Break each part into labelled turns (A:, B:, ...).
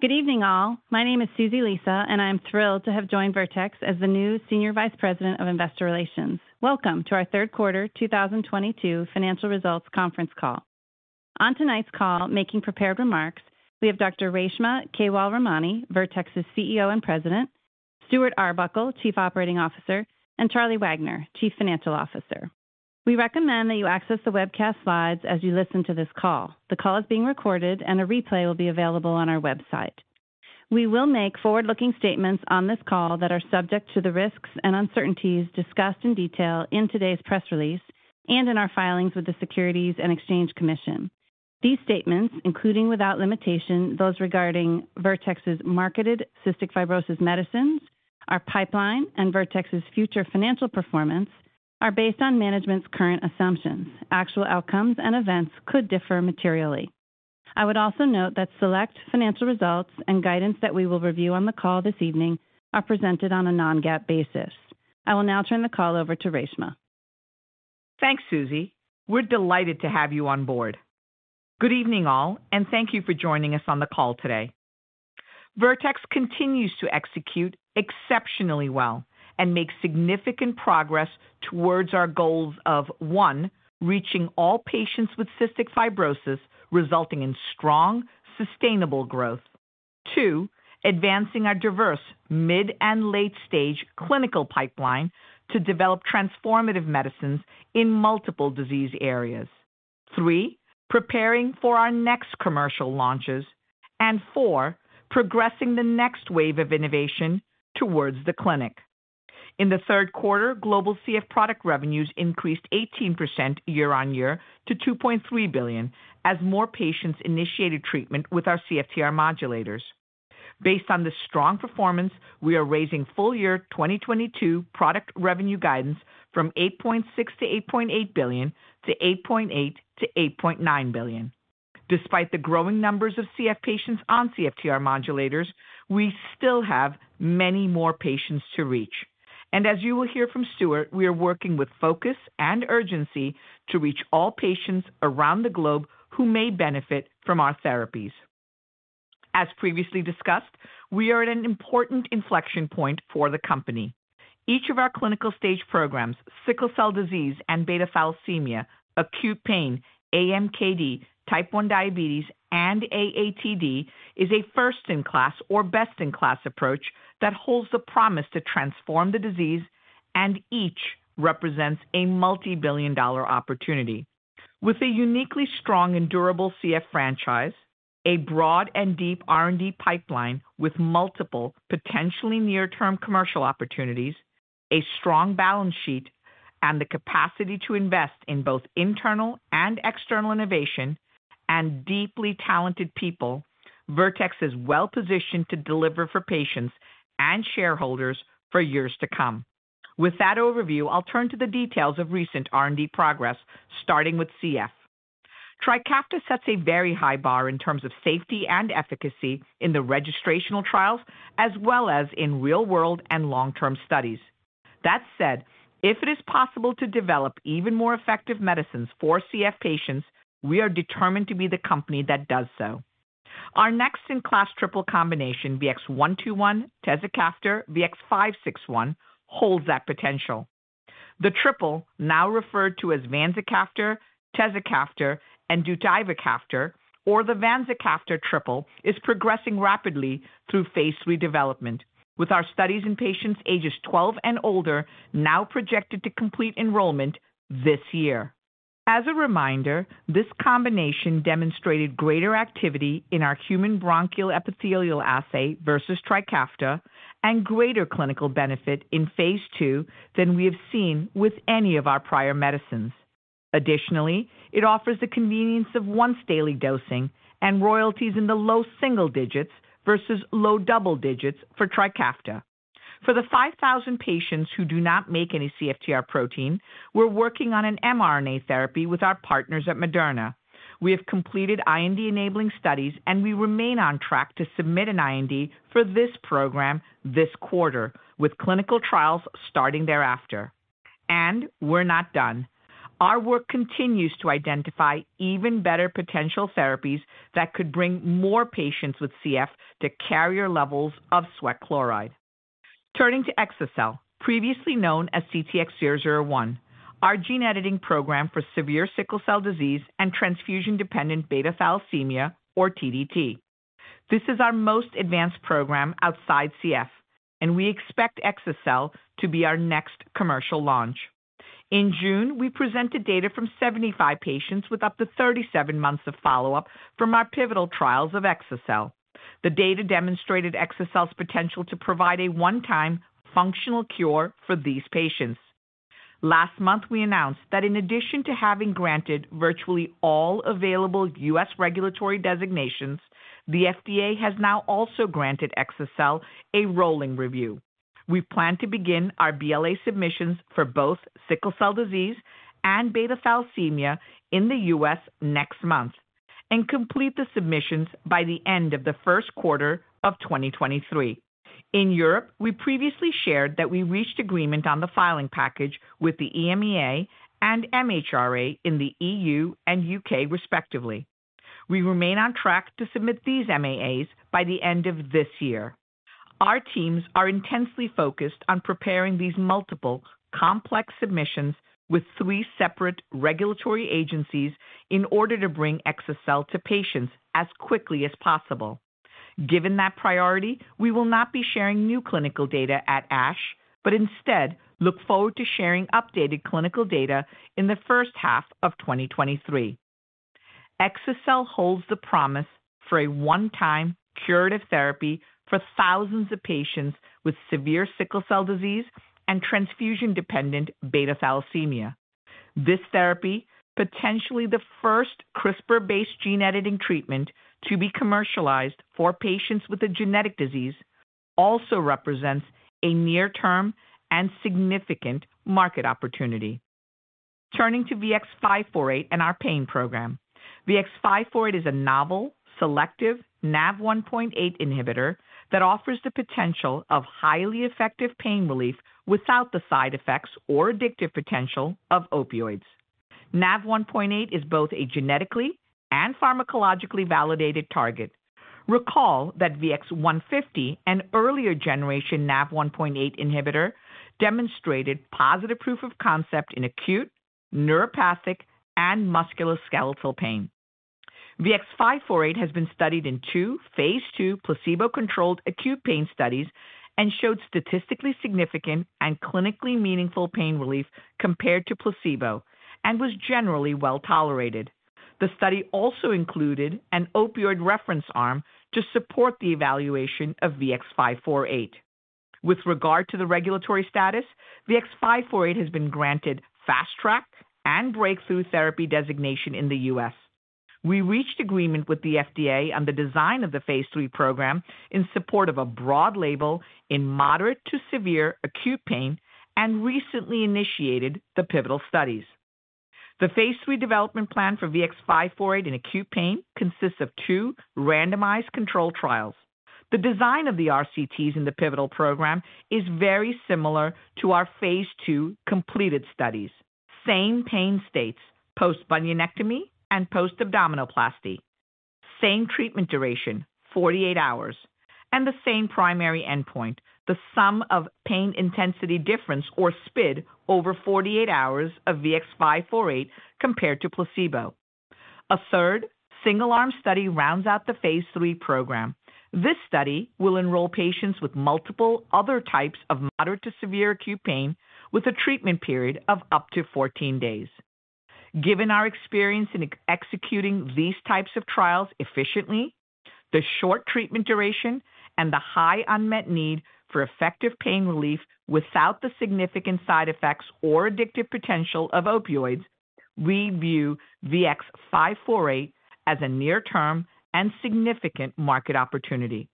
A: Good evening all. My name is Susan Lisa, and I'm thrilled to have joined Vertex as the new Senior Vice President of Investor Relations. Welcome to our Q3 2022 financial results conference call. On tonight's call making prepared remarks, we have Dr. Reshma Kewalramani, Vertex's CEO and President, Stuart Arbuckle, Chief Operating Officer, and Charlie Wagner, Chief Financial Officer. We recommend that you access the webcast slides as you listen to this call. The call is being recorded and a replay will be available on our website. We will make forward-looking statements on this call that are subject to the risks and uncertainties discussed in detail in today's press release and in our filings with the Securities and Exchange Commission. These statements, including without limitation those regarding Vertex's marketed cystic fibrosis medicines, our pipeline, and Vertex's future financial performance, are based on management's current assumptions. Actual outcomes and events could differ materially. I would also note that select financial results and guidance that we will review on the call this evening are presented on a non-GAAP basis. I will now turn the call over to Reshma.
B: Thanks, Suzy. We're delighted to have you on board. Good evening all, and thank you for joining us on the call today. Vertex continues to execute exceptionally well and make significant progress towards our goals of, one, reaching all patients with cystic fibrosis, resulting in strong, sustainable growth. Two, advancing our diverse mid- and late-stage clinical pipeline to develop transformative medicines in multiple disease areas. Three, preparing for our next commercial launches. And four, progressing the next wave of innovation towards the clinic. In the Q3, global CF product revenues increased 18% year-on-year to $2.3 billion as more patients initiated treatment with our CFTR modulators. Based on this strong performance, we are raising full-year 2022 product revenue guidance from $8.6-$8.8 billion to $8.8-$8.9 billion. Despite the growing numbers of CF patients on CFTR modulators, we still have many more patients to reach. As you will hear from Stuart, we are working with focus and urgency to reach all patients around the globe who may benefit from our therapies. As previously discussed, we are at an important inflection point for the company. Each of our clinical stage programs, sickle cell disease and beta thalassemia, acute pain, AMKD, type 1 diabetes, and AATD, is a first-in-class or best-in-class approach that holds the promise to transform the disease, and each represents a multibillion-dollar opportunity. With a uniquely strong and durable CF franchise, a broad and deep R&D pipeline with multiple potentially near-term commercial opportunities, a strong balance sheet, and the capacity to invest in both internal and external innovation and deeply talented people, Vertex is well positioned to deliver for patients and shareholders for years to come. With that overview, I'll turn to the details of recent R&D progress starting with CF. TRIKAFTA sets a very high bar in terms of safety and efficacy in the registrational trials, as well as in real-world and long-term studies. That said, if it is possible to develop even more effective medicines for CF patients, we are determined to be the company that does so. Our next-in-class triple combination VX-121, tezacaftor, VX-561 holds that potential. The triple, now referred to as vanzacaftor, tezacaftor, and deutivacaftor, or the vanzacaftor triple, is progressing rapidly through Phase III development with our studies in patients ages 12 and older now projected to complete enrollment this year. As a reminder, this combination demonstrated greater activity in our human bronchial epithelial assay versus TRIKAFTA and greater clinical benefit in Phase II than we have seen with any of our prior medicines. Additionally, it offers the convenience of once-daily dosing and royalties in the low single digits versus low double digits for TRIKAFTA. For the 5,000 patients who do not make any CFTR protein, we're working on an mRNA therapy with our partners at Moderna. We have completed IND-enabling studies, and we remain on track to submit an IND for this program this quarter with clinical trials starting thereafter. We're not done. Our work continues to identify even better potential therapies that could bring more patients with CF to carrier levels of sweat chloride. Turning to exa-cel, previously known as CTX001, our gene editing program for severe sickle cell disease and transfusion-dependent beta thalassemia or TDT. This is our most advanced program outside CF, and we expect exa-cel to be our next commercial launch. In June, we presented data from 75 patients with up to 37 months of follow-up from our pivotal trials of exa-cel. The data demonstrated exa-cel's potential to provide a one-time functional cure for these patients. Last month, we announced that in addition to having granted virtually all available U.S. regulatory designations, the FDA has now also granted exa-cel a rolling review. We plan to begin our BLA submissions for both sickle cell disease and beta thalassemia in the U.S. next month and complete the submissions by the end of the Q1 of 2023. In Europe, we previously shared that we reached agreement on the filing package with the EMA and MHRA in the E.U. and U.K. respectively. We remain on track to submit these MAAs by the end of this year. Our teams are intensely focused on preparing these multiple complex submissions with three separate regulatory agencies in order to bring exa-cel to patients as quickly as possible. Given that priority, we will not be sharing new clinical data at ASH, but instead look forward to sharing updated clinical data in the H1 of 2023. Exa-cel holds the promise for a one-time curative therapy for thousands of patients with severe sickle cell disease and transfusion-dependent beta thalassemia. This therapy, potentially the first CRISPR-based gene editing treatment to be commercialized for patients with a genetic disease, also represents a near-term and significant market opportunity. Turning to VX-548 and our pain program. VX-548 is a novel selective NaV1.8 inhibitor that offers the potential of highly effective pain relief without the side effects or addictive potential of opioids. NaV1.8 is both a genetically and pharmacologically validated target. Recall that VX-150, an earlier generation NaV1.8 inhibitor, demonstrated positive proof of concept in acute, neuropathic, and musculoskeletal pain. VX-548 has been studied in two Phase II placebo-controlled acute pain studies and showed statistically significant and clinically meaningful pain relief compared to placebo and was generally well-tolerated. The study also included an opioid reference arm to support the evaluation of VX-548. With regard to the regulatory status, VX-548 has been granted Fast Track and Breakthrough Therapy Designation in the U.S. We reached agreement with the FDA on the design of the Phase III program in support of a broad label in moderate to severe acute pain and recently initiated the pivotal studies. The Phase III development plan for VX-548 in acute pain consists of 2 randomized controlled trials. The design of the RCTs in the pivotal program is very similar to our Phase II completed studies. Same pain states, post-bunionectomy and post-abdominoplasty, same treatment duration, 48 hours, and the same primary endpoint, the sum of pain intensity difference, or SPID, over 48 hours of VX-548 compared to placebo. A third single-arm study rounds out the Phase III program. This study will enroll patients with multiple other types of moderate to severe acute pain with a treatment period of up to 14 days. Given our experience in executing these types of trials efficiently, the short treatment duration, and the high unmet need for effective pain relief without the significant side effects or addictive potential of opioids, we view VX-548 as a near-term and significant market opportunity.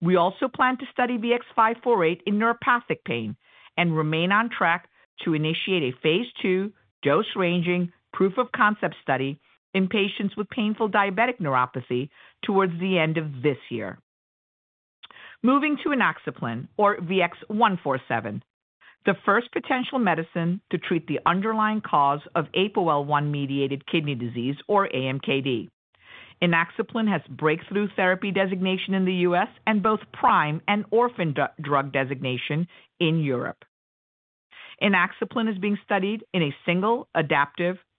B: We also plan to study VX-548 in neuropathic pain and remain on track to initiate a Phase II dose-ranging proof of concept study in patients with painful diabetic neuropathy towards the end of this year. Moving to inaxaplin or VX-147, the first potential medicine to treat the underlying cause of APOL1-mediated kidney disease or AMKD. Inaxaplin has Breakthrough Therapy Designation in the U.S. and both PRIME and Orphan Drug Designation in Europe. Inaxaplin is being studied in a single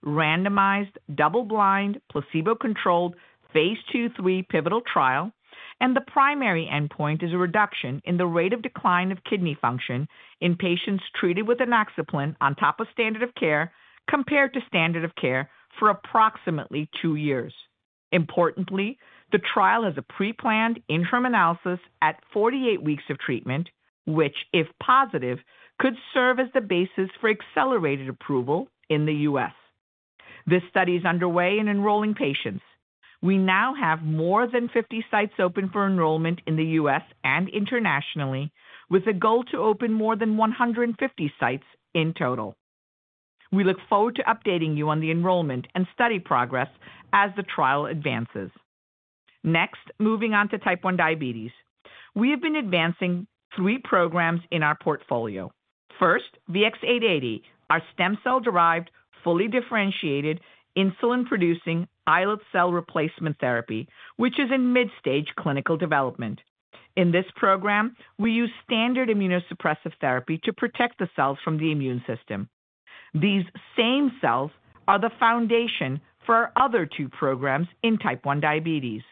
B: adaptive randomized double-blind placebo-controlled Phase II and Phase III pivotal trial, and the primary endpoint is a reduction in the rate of decline of kidney function in patients treated with inaxaplin on top of standard of care compared to standard of care for approximately two years. Importantly, the trial has a pre-planned interim analysis at 48 weeks of treatment, which, if positive, could serve as the basis for accelerated approval in the U.S. This study is underway in enrolling patients. We now have more than 50 sites open for enrollment in the U.S. and internationally, with a goal to open more than 150 sites in total. We look forward to updating you on the enrollment and study progress as the trial advances. Next, moving on to type 1 diabetes. We have been advancing 3 programs in our portfolio. First, VX-880, our stem cell-derived, fully differentiated insulin-producing islet cell replacement therapy, which is in midstage clinical development. In this program, we use standard immunosuppressive therapy to protect the cells from the immune system. These same cells are the foundation for our other two programs in type 1 diabetes.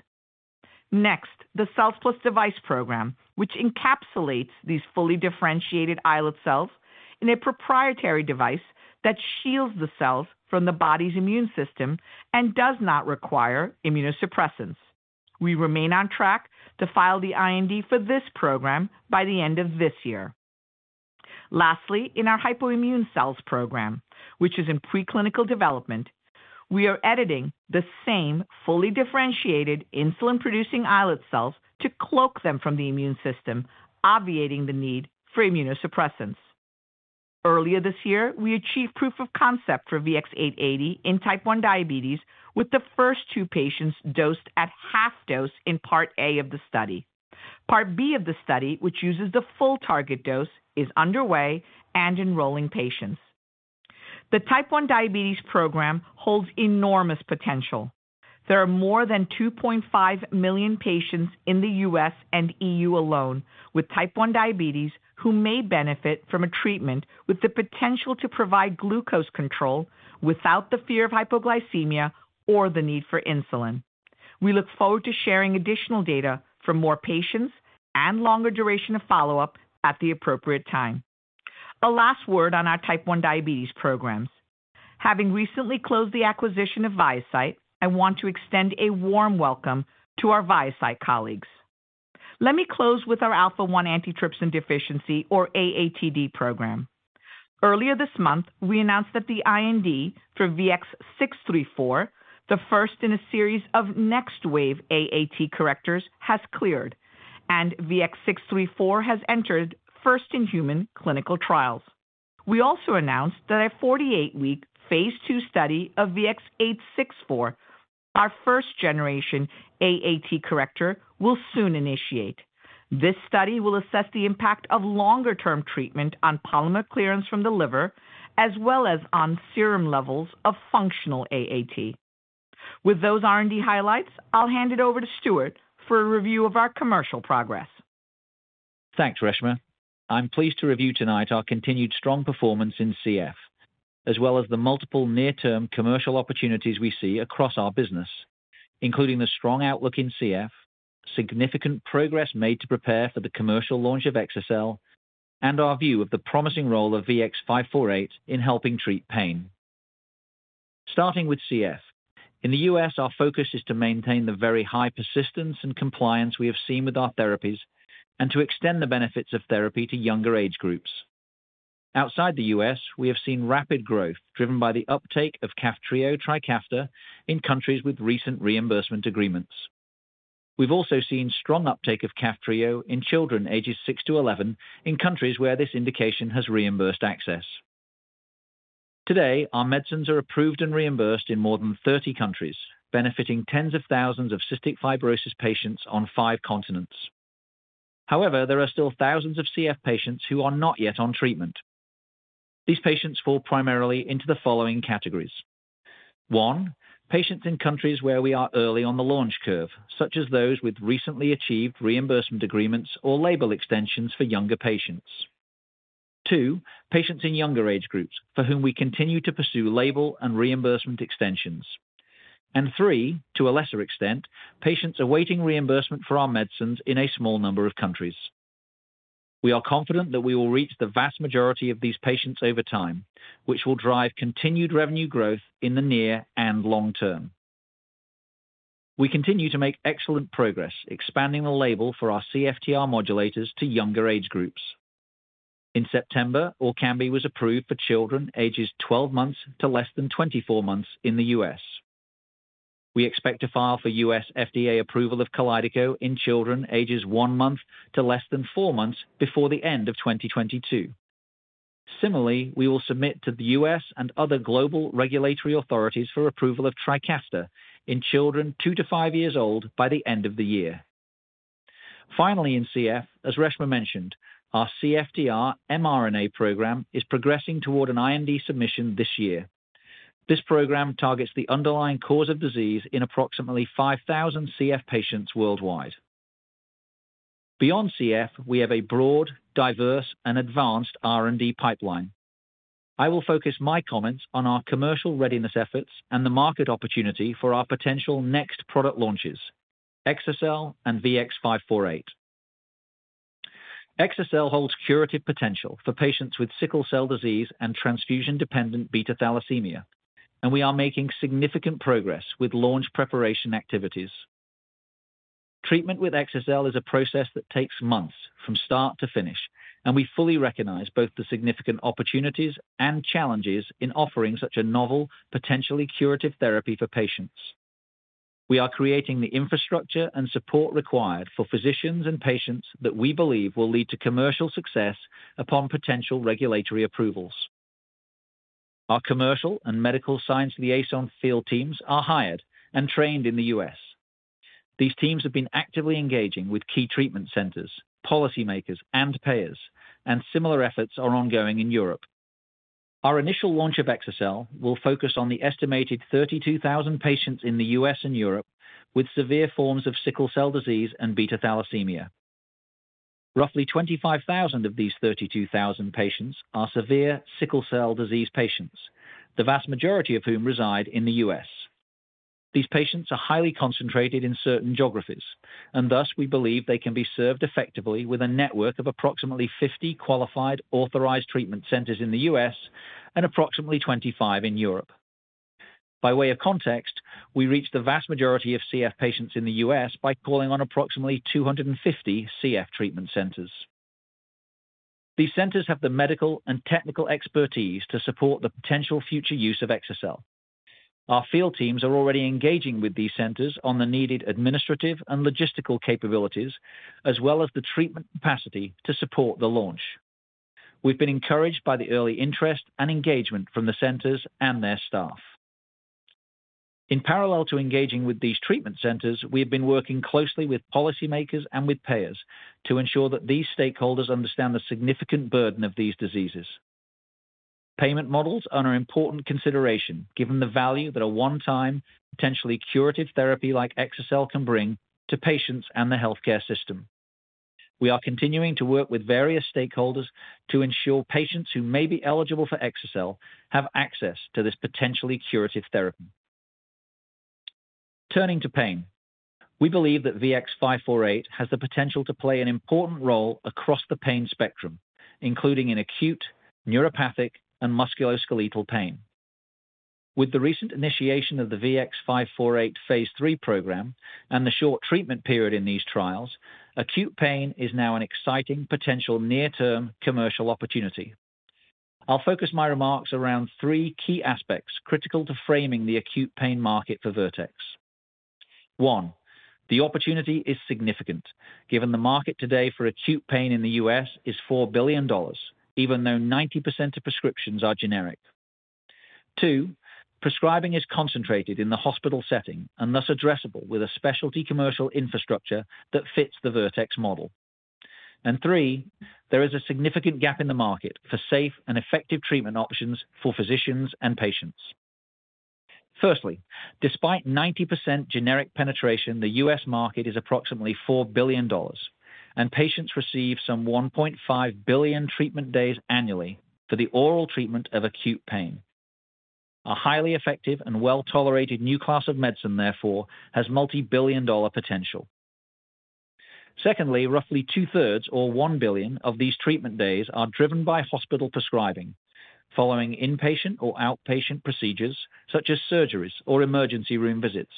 B: Next, the cells plus device program, which encapsulates these fully differentiated islet cells in a proprietary device that shields the cells from the body's immune system and does not require immunosuppressants. We remain on track to file the IND for this program by the end of this year. Lastly, in our hypoimmune cells program, which is in preclinical development, we are editing the same fully differentiated insulin-producing islet cells to cloak them from the immune system, obviating the need for immunosuppressants. Earlier this year, we achieved proof of concept for VX-880 in type 1 diabetes with the first two patients dosed at half dose in part A of the study. Part B of the study, which uses the full target dose, is underway and enrolling patients. The type 1 diabetes program holds enormous potential. There are more than 2.5 million patients in the U.S. and EU alone with type 1 diabetes who may benefit from a treatment with the potential to provide glucose control without the fear of hypoglycemia or the need for insulin. We look forward to sharing additional data from more patients and longer duration of follow-up at the appropriate time. A last word on our type 1 diabetes programs. Having recently closed the acquisition of ViaCyte, I want to extend a warm welcome to our ViaCyte colleagues. Let me close with our alpha-1 antitrypsin deficiency or AATD program. Earlier this month, we announced that the IND for VX-634, the first in a series of next wave AAT correctors, has cleared, and VX-634 has entered first-in-human clinical trials. We also announced that a 48-week Phase II study of VX-864, our first-generation AAT corrector, will soon initiate. This study will assess the impact of longer-term treatment on polymer clearance from the liver as well as on serum levels of functional AAT. With those R&D highlights, I'll hand it over to Stuart for a review of our commercial progress.
C: Thanks, Reshma. I'm pleased to review tonight our continued strong performance in CF, as well as the multiple near-term commercial opportunities we see across our business, including the strong outlook in CF, significant progress made to prepare for the commercial launch of exa-cel, and our view of the promising role of VX-548 in helping treat pain. Starting with CF, in the U.S. our focus is to maintain the very high persistence and compliance we have seen with our therapies and to extend the benefits of therapy to younger age groups. Outside the U.S., we have seen rapid growth driven by the uptake of Kaftrio/TRIKAFTA in countries with recent reimbursement agreements. We've also seen strong uptake of Kaftrio in children ages 6-11 in countries where this indication has reimbursement access. Today, our medicines are approved and reimbursed in more than 30 countries, benefiting tens of thousands of cystic fibrosis patients on 5 continents. However, there are still thousands of CF patients who are not yet on treatment. These patients fall primarily into the following categories. One, patients in countries where we are early on the launch curve, such as those with recently achieved reimbursement agreements or label extensions for younger patients. Two, patients in younger age groups for whom we continue to pursue label and reimbursement extensions. Three, to a lesser extent, patients awaiting reimbursement for our medicines in a small number of countries. We are confident that we will reach the vast majority of these patients over time, which will drive continued revenue growth in the near and long term. We continue to make excellent progress expanding the label for our CFTR modulators to younger age groups. In September, ORKAMBI was approved for children ages 12 months to less than 24 months in the U.S. We expect to file for U.S. FDA approval of KALYDECO in children ages one month to less than four months before the end of 2022. Similarly, we will submit to the U.S. and other global regulatory authorities for approval of TRIKAFTA in children two to five years old by the end of the year. Finally, in CF, as Reshma mentioned, our CFTR mRNA program is progressing toward an IND submission this year. This program targets the underlying cause of disease in approximately 5,000 CF patients worldwide. Beyond CF, we have a broad, diverse, and advanced R&D pipeline. I will focus my comments on our commercial readiness efforts and the market opportunity for our potential next product launches, exa-cel and VX-548. exa-cel holds curative potential for patients with sickle cell disease and transfusion-dependent beta thalassemia, and we are making significant progress with launch preparation activities. Treatment with exa-cel is a process that takes months from start to finish, and we fully recognize both the significant opportunities and challenges in offering such a novel, potentially curative therapy for patients. We are creating the infrastructure and support required for physicians and patients that we believe will lead to commercial success upon potential regulatory approvals. Our commercial and medical science liaison field teams are hired and trained in the U.S. These teams have been actively engaging with key treatment centers, policymakers, and payers, and similar efforts are ongoing in Europe. Our initial launch of exa-cel will focus on the estimated 32,000 patients in the U.S. and Europe with severe forms of sickle cell disease and beta thalassemia. Roughly 25,000 of these 32,000 patients are severe sickle cell disease patients, the vast majority of whom reside in the U.S. These patients are highly concentrated in certain geographies, and thus we believe they can be served effectively with a network of approximately 50 qualified authorized treatment centers in the U.S. and approximately 25 in Europe. By way of context, we reach the vast majority of CF patients in the U.S. by calling on approximately 250 CF treatment centers. These centers have the medical and technical expertise to support the potential future use of exa-cel. Our field teams are already engaging with these centers on the needed administrative and logistical capabilities, as well as the treatment capacity to support the launch. We've been encouraged by the early interest and engagement from the centers and their staff. In parallel to engaging with these treatment centers, we have been working closely with policymakers and with payers to ensure that these stakeholders understand the significant burden of these diseases. Payment models are an important consideration given the value that a one-time potentially curative therapy like exa-cel can bring to patients and the healthcare system. We are continuing to work with various stakeholders to ensure patients who may be eligible for exa-cel have access to this potentially curative therapy. Turning to pain, we believe that VX-548 has the potential to play an important role across the pain spectrum, including in acute, neuropathic, and musculoskeletal pain. With the recent initiation of the VX-548 Phase III program and the short treatment period in these trials, acute pain is now an exciting potential near-term commercial opportunity. I'll focus my remarks around three key aspects critical to framing the acute pain market for Vertex. One, the opportunity is significant given the market today for acute pain in the U.S. is $4 billion, even though 90% of prescriptions are generic. Two, prescribing is concentrated in the hospital setting and thus addressable with a specialty commercial infrastructure that fits the Vertex model. Three, there is a significant gap in the market for safe and effective treatment options for physicians and patients. Firstly, despite 90% generic penetration, the U.S. market is approximately $4 billion, and patients receive some 1.5 billion treatment days annually for the oral treatment of acute pain. A highly effective and well-tolerated new class of medicine, therefore, has multi-billion-dollar potential. Secondly, roughly two-thirds or 1 billion of these treatment days are driven by hospital prescribing following inpatient or outpatient procedures such as surgeries or emergency room visits.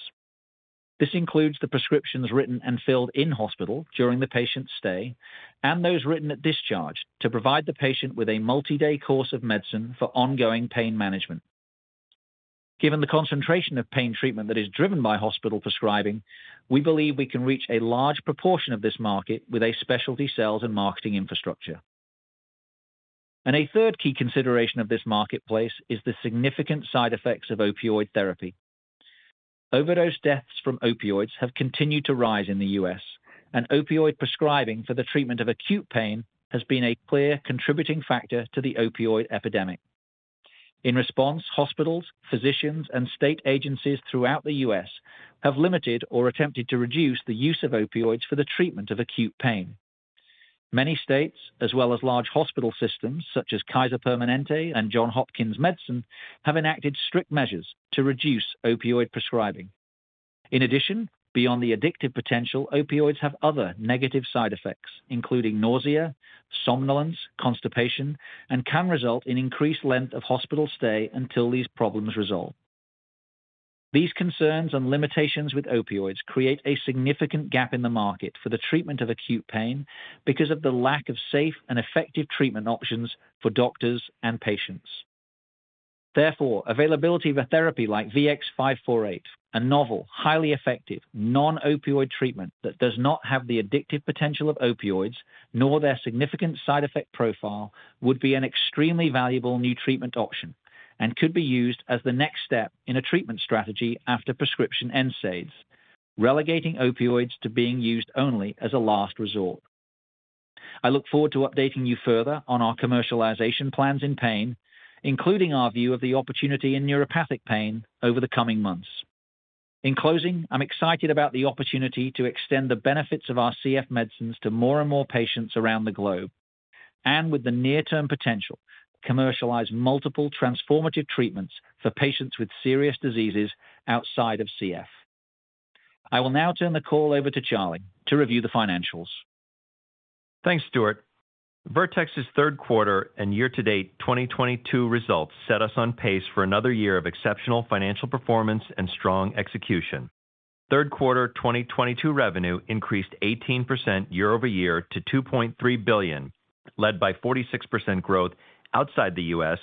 C: This includes the prescriptions written and filled in-hospital during the patient's stay and those written at discharge to provide the patient with a multi-day course of medicine for ongoing pain management. Given the concentration of pain treatment that is driven by hospital prescribing, we believe we can reach a large proportion of this market with a specialty sales and marketing infrastructure. A third key consideration of this marketplace is the significant side effects of opioid therapy. Overdose deaths from opioids have continued to rise in the U.S., and opioid prescribing for the treatment of acute pain has been a clear contributing factor to the opioid epidemic. In response, hospitals, physicians, and state agencies throughout the U.S. have limited or attempted to reduce the use of opioids for the treatment of acute pain. Many states, as well as large hospital systems such as Kaiser Permanente and Johns Hopkins Medicine, have enacted strict measures to reduce opioid prescribing. In addition, beyond the addictive potential, opioids have other negative side effects, including nausea, somnolence, constipation, and can result in increased length of hospital stay until these problems resolve. These concerns and limitations with opioids create a significant gap in the market for the treatment of acute pain because of the lack of safe and effective treatment options for doctors and patients. Therefore, availability of a therapy like VX-548, a novel, highly effective non-opioid treatment that does not have the addictive potential of opioids nor their significant side effect profile, would be an extremely valuable new treatment option and could be used as the next step in a treatment strategy after prescription NSAIDs, relegating opioids to being used only as a last resort. I look forward to updating you further on our commercialization plans in pain, including our view of the opportunity in neuropathic pain over the coming months. In closing, I'm excited about the opportunity to extend the benefits of our CF medicines to more and more patients around the globe and with the near-term potential, commercialize multiple transformative treatments for patients with serious diseases outside of CF. I will now turn the call over to Charlie to review the financials.
D: Thanks, Stuart. Vertex's Q3 and year-to-date 2022 results set us on pace for another year of exceptional financial performance and strong execution. Q3 2022 revenue increased 18% year-over-year to $2.3 billion, led by 46% growth outside the U.S.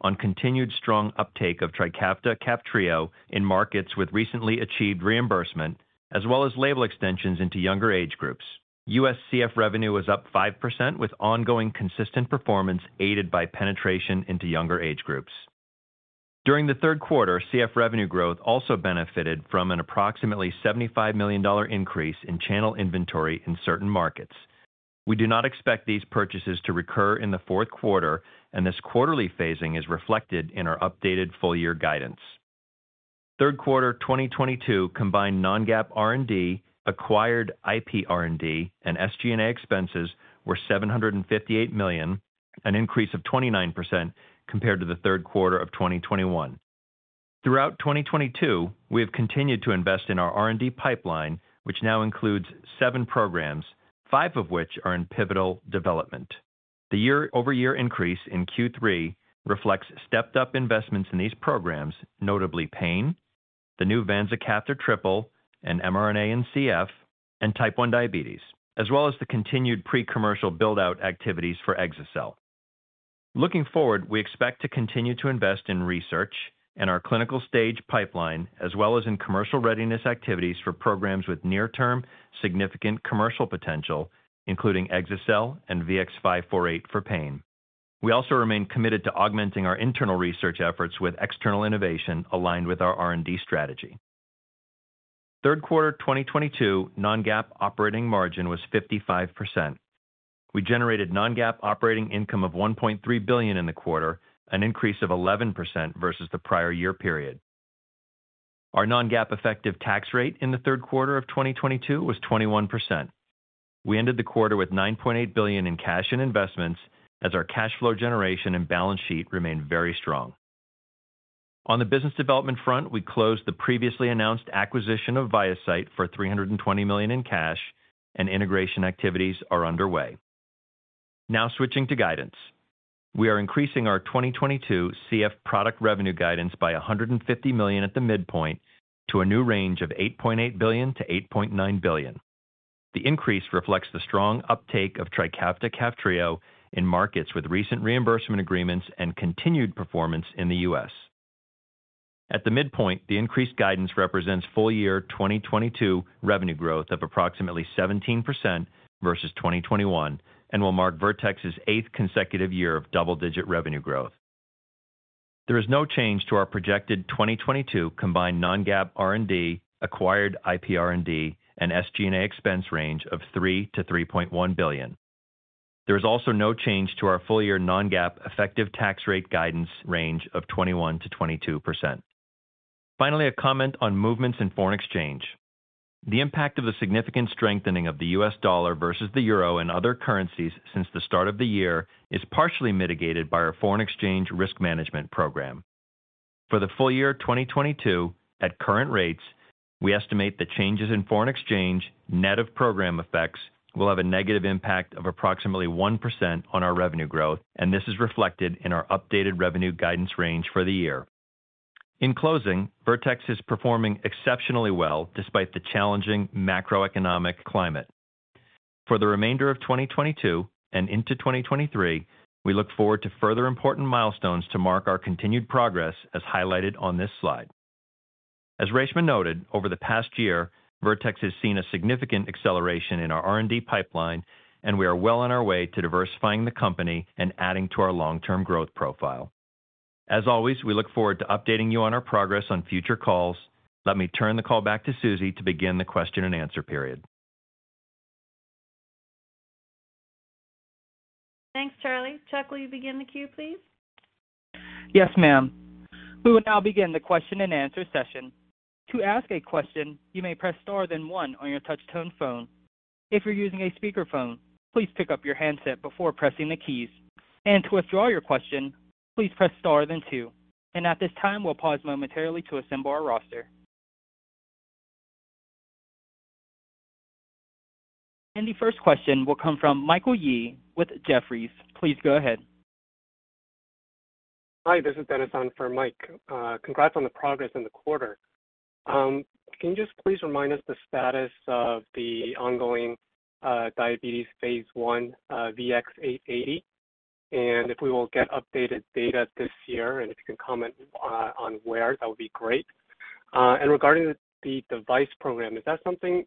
D: on continued strong uptake of TRIKAFTA, Kaftrio in markets with recently achieved reimbursement as well as label extensions into younger age groups. U.S. CF revenue was up 5% with ongoing consistent performance aided by penetration into younger age groups. During the Q3, CF revenue growth also benefited from an approximately $75 million increase in channel inventory in certain markets. We do not expect these purchases to recur in the Q4, and this quarterly phasing is reflected in our updated full-year guidance. Q3 2022 combined non-GAAP R&D, acquired IP R&D, and SG&A expenses were $758 million, an increase of 29% compared to the Q3 of 2021. Throughout 2022, we have continued to invest in our R&D pipeline, which now includes 7 programs, 5 of which are in pivotal development. The year-over-year increase in Q3 reflects stepped-up investments in these programs, notably pain, the new vanzacaftor Kaftrio Triple, and mRNA and CF, and type 1 diabetes, as well as the continued pre-commercial build-out activities for exa-cel. Looking forward, we expect to continue to invest in research and our clinical stage pipeline, as well as in commercial readiness activities for programs with near-term significant commercial potential, including exa-cel and VX-548 for pain. We also remain committed to augmenting our internal research efforts with external innovation aligned with our R&D strategy. Q3 2022 non-GAAP operating margin was 55%. We generated non-GAAP operating income of $1.3 billion in the quarter, an increase of 11% versus the prior year period. Our non-GAAP effective tax rate in the Q3 of 2022 was 21%. We ended the quarter with $9.8 billion in cash and investments as our cash flow generation and balance sheet remained very strong. On the business development front, we closed the previously announced acquisition of ViaCyte for $320 million in cash and integration activities are underway. Now switching to guidance. We are increasing our 2022 CF product revenue guidance by $150 million at the midpoint to a new range of $8.8 billion-$8.9 billion. The increase reflects the strong uptake of TRIKAFTA/Kaftrio in markets with recent reimbursement agreements and continued performance in the U.S. At the midpoint, the increased guidance represents full year 2022 revenue growth of approximately 17% versus 2021 and will mark Vertex's eighth consecutive year of double-digit revenue growth. There is no change to our projected 2022 combined non-GAAP R&D, acquired IP R&D, and SG&A expense range of $3-$3.1 billion. There is also no change to our full-year non-GAAP effective tax rate guidance range of 21%-22%. Finally, a comment on movements in foreign exchange. The impact of the significant strengthening of the U.S. dollar versus the euro and other currencies since the start of the year is partially mitigated by our foreign exchange risk management program. For the full year 2022, at current rates, we estimate the changes in foreign exchange, net of program effects, will have a negative impact of approximately 1% on our revenue growth, and this is reflected in our updated revenue guidance range for the year. In closing, Vertex is performing exceptionally well despite the challenging macroeconomic climate. For the remainder of 2022 and into 2023, we look forward to further important milestones to mark our continued progress as highlighted on this slide. Reshma noted, over the past year, Vertex has seen a significant acceleration in our R&D pipeline, and we are well on our way to diversifying the company and adding to our long-term growth profile. As always, we look forward to updating you on our progress on future calls. Let me turn the call back to Suzy to begin the question and answer period.
A: Thanks, Charlie. Chuck, will you begin the queue, please?
E: Yes, ma'am. We will now begin the question and answer session. To ask a question, you may press star then one on your touch-tone phone. If you're using a speakerphone, please pick up your handset before pressing the keys. To withdraw your question, please press star then two. At this time, we'll pause momentarily to assemble our roster. The first question will come from Michael Yee with Jefferies. Please go ahead.
F: Hi, this is Dennis on for Mike. Congrats on the progress in the quarter. Can you just please remind us the status of the ongoing diabetes Phase I VX-880, and if we will get updated data this year, and if you can comment on where that would be great. Regarding the device program, is that something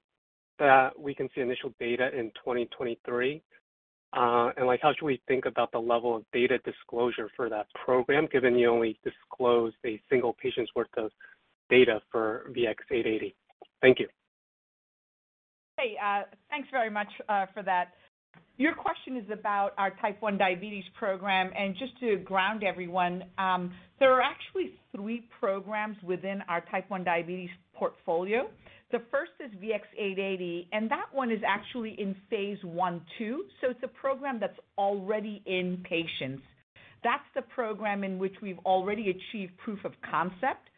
F: that we can see initial data in 2023? Like how should we think about the level of data disclosure for that program, given you only disclosed a single patient's worth of data for VX-880? Thank you.
B: Hey, thanks very much for that. Your question is about our type 1 diabetes program. Just to ground everyone, there are actually three programs within our type 1 diabetes portfolio. The first is VX-880, and that one is actually in Phase I and Phase II. It's a program that's already in patients. That's the program in which we've already achieved proof of concept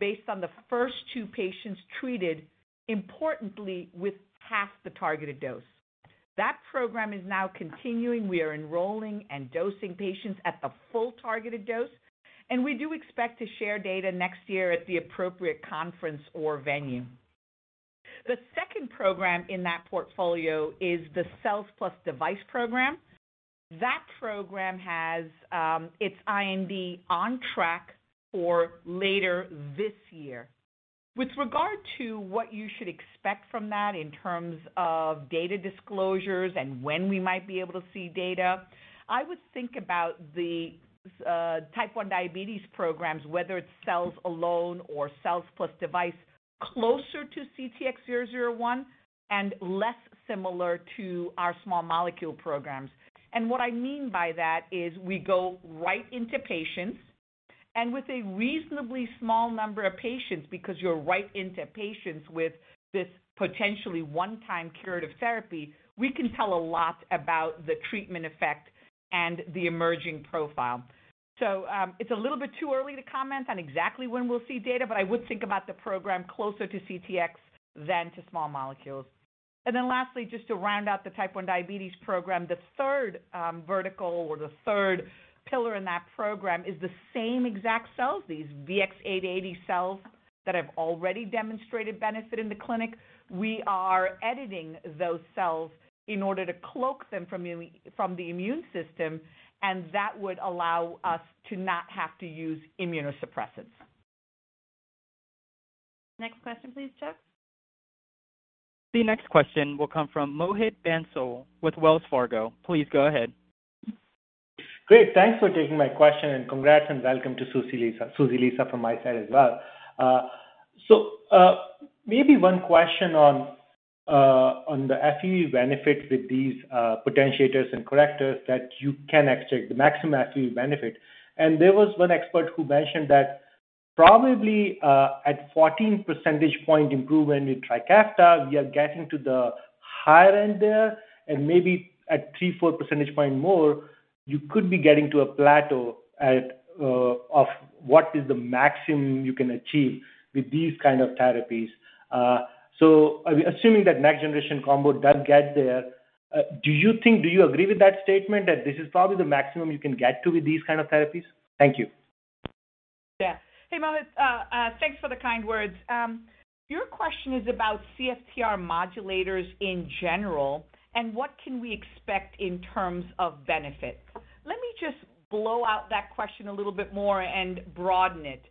B: based on the first two patients treated, importantly, with half the targeted dose. That program is now continuing. We are enrolling and dosing patients at the full targeted dose, and we do expect to share data next year at the appropriate conference or venue. The second program in that portfolio is the cells plus device program. That program has its IND on track for later this year. With regard to what you should expect from that in terms of data disclosures and when we might be able to see data, I would think about the type 1 diabetes programs, whether it's cells alone or cells plus device, closer to CTX001 and less similar to our small molecule programs. What I mean by that is we go right into patients and with a reasonably small number of patients, because you're right into patients with this potentially one-time curative therapy, we can tell a lot about the treatment effect and the emerging profile. It's a little bit too early to comment on exactly when we'll see data, but I would think about the program closer to CTX than to small molecules. Lastly, just to round out the type 1 diabetes program, the third vertical or the third pillar in that program is the same exact cells, these VX-880 cells that have already demonstrated benefit in the clinic. We are editing those cells in order to cloak them from the immune system, and that would allow us to not have to use immunosuppressants.
A: Next question, please, Geoff.
E: The next question will come from Mohit Bansal with Wells Fargo. Please go ahead.
G: Great. Thanks for taking my question, and congrats and welcome to Susan Lisa from my side as well. Maybe one question on the FEV benefits with these potentiators and correctors that you can extract the maximum FEV benefit. There was one expert who mentioned that probably at 14 percentage point improvement with TRIKAFTA, we are getting to the higher end there and maybe at 3-4 percentage point more, you could be getting to a plateau at of what is the maximum you can achieve with these kind of therapies. Assuming that next generation combo does get there, do you think you agree with that statement that this is probably the maximum you can get to with these kind of therapies? Thank you.
B: Yeah. Hey, Mohit. Thanks for the kind words. Your question is about CFTR modulators in general and what can we expect in terms of benefit. Let me just blow out that question a little bit more and broaden it.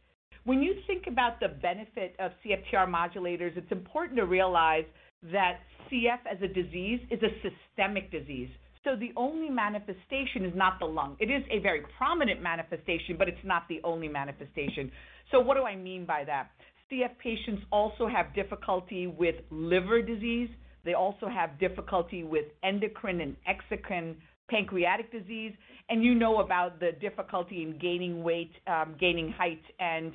B: When you think about the benefit of CFTR modulators, it's important to realize that CF as a disease is a systemic disease. The only manifestation is not the lung. It is a very prominent manifestation, but it's not the only manifestation. What do I mean by that? CF patients also have difficulty with liver disease. They also have difficulty with endocrine and exocrine pancreatic disease. You know about the difficulty in gaining weight, gaining height and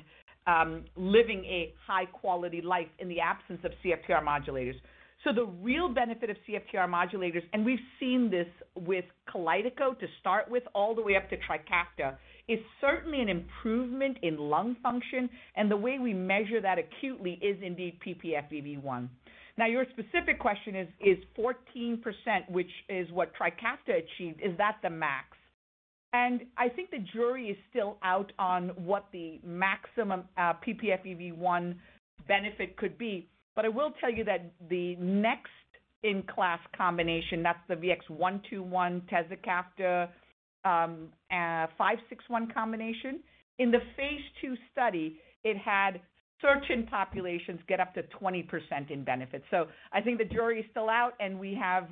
B: living a high quality life in the absence of CFTR modulators. The real benefit of CFTR modulators, and we've seen this with KALYDECO to start with all the way up to TRIKAFTA, is certainly an improvement in lung function, and the way we measure that acutely is indeed ppFEV1. Now, your specific question is 14%, which is what TRIKAFTA achieved, is that the max? I think the jury is still out on what the maximum ppFEV1 benefit could be. I will tell you that the next in-class combination, that's the VX-121, tezacaftor, VX-561 combination. In the Phase II study, it had certain populations get up to 20% in benefits. I think the jury is still out, and we have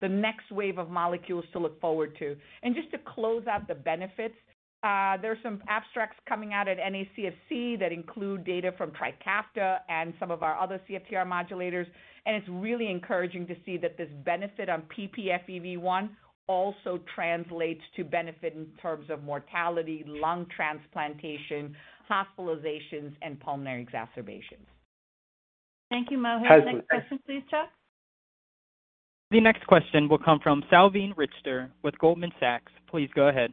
B: the next wave of molecules to look forward to. Just to close out the benefits, there's some abstracts coming out at NACFC that include data from TRIKAFTA and some of our other CFTR modulators. It's really encouraging to see that this benefit on ppFEV1 also translates to benefit in terms of mortality, lung transplantation, hospitalizations, and pulmonary exacerbations.
A: Thank you, Mohit. Next question, please, Geoff.
E: The next question will come from Salveen Richter with Goldman Sachs. Please go ahead.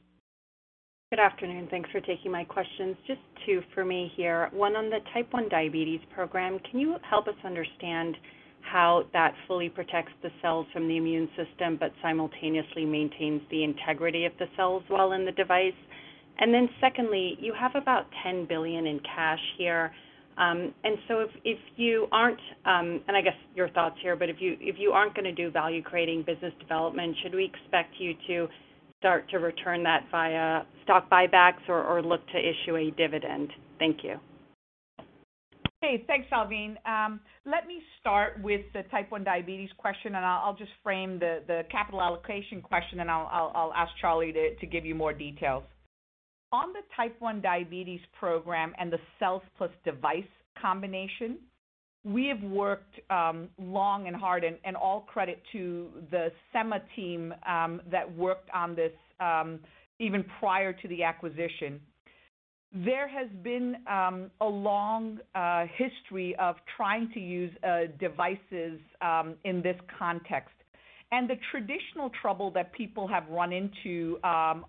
H: Good afternoon. Thanks for taking my questions. Just two for me here. One on the type 1 diabetes program, can you help us understand how that fully protects the cells from the immune system but simultaneously maintains the integrity of the cells while in the device? Secondly, you have about $10 billion in cash here. I guess your thoughts here, but if you aren't gonna do value creating business development, should we expect you to start to return that via stock buybacks or look to issue a dividend? Thank you.
B: Okay. Thanks, Salveen. Let me start with the type one diabetes question, and I'll just frame the capital allocation question, and I'll ask Charles to give you more details. On the type one diabetes program and the cells plus device combination, we have worked long and hard and all credit to the Semma team that worked on this even prior to the acquisition. There has been a long history of trying to use devices in this context. The traditional trouble that people have run into are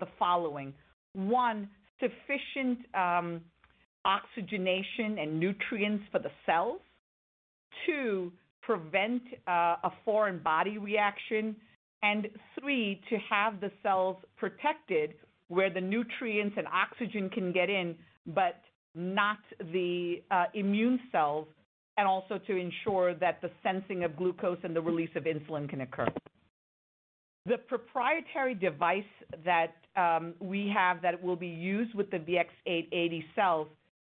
B: the following. One, sufficient oxygenation and nutrients for the cells. Two, prevent a foreign body reaction. Three, to have the cells protected where the nutrients and oxygen can get in, but not the immune cells, and also to ensure that the sensing of glucose and the release of insulin can occur. The proprietary device that we have that will be used with the VX-880 cells